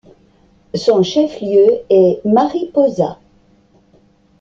Son chef-lieu est Mariposa.